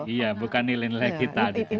iya bukan nilai nilai kita di timur